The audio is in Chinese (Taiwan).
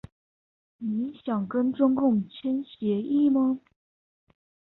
你想跟中共簽協議嗎？